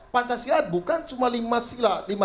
pancasila bukan cuma lima sila